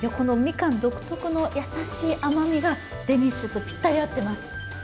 みかん独特の優しい甘みがデニッシュとぴったり合っています。